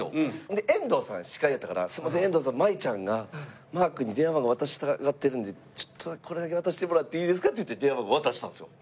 で遠藤さん司会やったから「すいません遠藤さんまいちゃんがマー君に電話番号渡したがってるんでこれだけ渡してもらっていいですか？」って言って電話番号渡したんですよ。